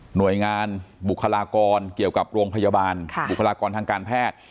หน่วยงานบุคลากรเกี่ยวกับโรงพยาบาลบุคลากรทางการแพทย์